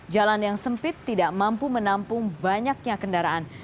jalan yang sempit tidak mampu menampung banyaknya kendaraan